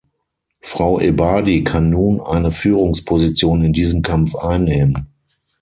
Frau Ebadi kann nun eine Führungsposition in diesem Kampf einnehmen.